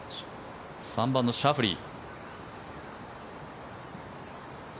３番のシャフリー。